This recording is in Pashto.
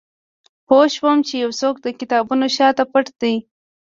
پوه شوم چې یو څوک د کتابونو شاته پټ دی